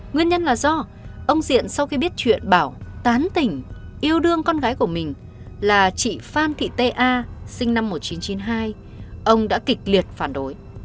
nguyên nhân là do ông diện sau khi biết chuyện bảo tán tỉnh yêu đương con gái của mình là chị phan thị tê a sinh năm một nghìn chín trăm chín mươi hai ông đã kịch liệt phản đối